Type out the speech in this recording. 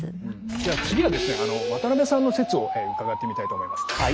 じゃあ次はですね渡辺さんの説を伺ってみたいと思います。